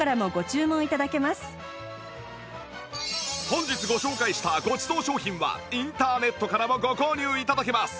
本日ご紹介したごちそう商品はインターネットからもご購入頂けます